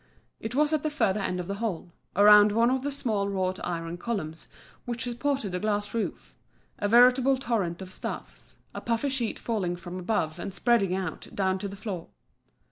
It was at the further end of the hall, around one of the small wrought iron columns which supported the glass roof, a veritable torrent of stuffs, a puffy sheet falling from above and spreading out down to the floor.